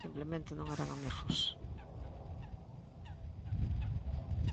Simplemente non eran amigos.